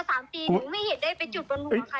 แล้วก็ขอพ้อนก็คือหยิบมาเลยค่ะพี่หมดำ